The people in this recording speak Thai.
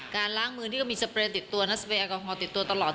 การล้างมือที่มีสเปรย์ติดตัวสเปรย์อากาศติดตัวตลอด